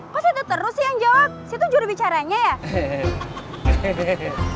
kok situ terus sih yang jawab situ juru bicaranya ya